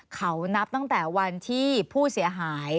เขานับตั้งแต่วันที่ผู้เสียหาย